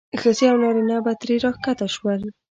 ښځې او نارینه به ترې راښکته شول.